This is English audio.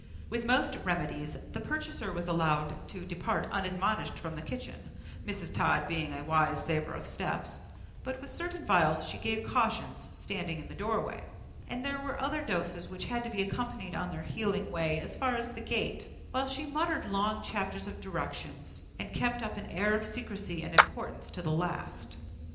With most remedies the purchaser was allowed to depart unadmonished from the kitchen, Mrs. Todd being a wise saver of steps; but with certain vials she gave cautions, standing in the doorway, and there were other doses which had to be accompanied on their healing way as far as the gate, while she muttered long chapters of directions, and kept up an air of secrecy and importance to the last.